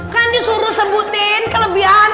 kan disuruh sebutin kelebihan